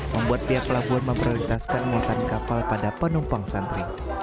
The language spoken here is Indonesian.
membuat pihak pelabuhan memprioritaskan muatan kapal pada penumpang santri